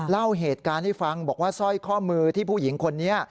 เล่าเหตุการณ์ให้ฟังบอกว่าสร้อยข้อมือที่ผู้หญิงคนนี้